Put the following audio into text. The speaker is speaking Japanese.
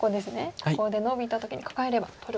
ここでノビた時にカカえれば取ることができます。